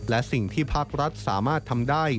และสิ่งที่ภาครัฐสามารถทำได้